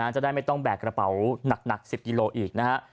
จะได้ไม่ต้องแบกกระเป๋าหนัก๑๐กิโลอีกนะฮะ